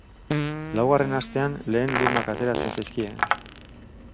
Laugarren astean lehen lumak ateratzen zaizkie.